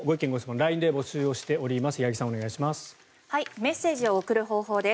ＬＩＮＥで募集をしております。